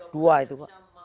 dua itu pak